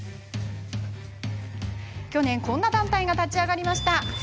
去年、こんな団体が立ち上がりました。